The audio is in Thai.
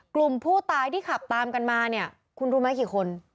กลุ่มผู้ตายที่ขับตามกันมาเนี่ยคุณรู้ไหมกี่คน